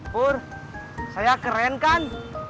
pur saya keren kan